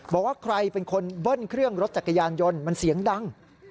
บอกว่าใครเป็นคนเบิ้ลเครื่องรถจักรยานยนต์มันเสียงดัง